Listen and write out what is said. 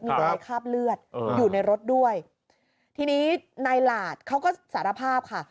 มีรอยคราบเลือดอยู่ในรถด้วยทีนี้นายหลาดเขาก็สารภาพค่ะ